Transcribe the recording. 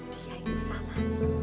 dia itu salah